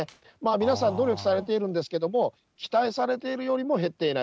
皆さん努力されているんですけれども、期待されているよりも減っていない。